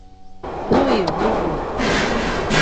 uwi vuvu